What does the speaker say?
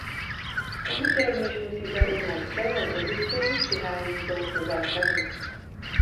Komise rovněž musí zaujmout silnou pozici při hájení tohoto zákazu.